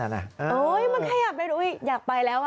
มันขยับเลยอยากไปแล้ว